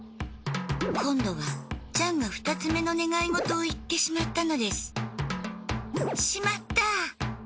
今度はジャンが２つ目の願い事を言ってしまったのですしまった！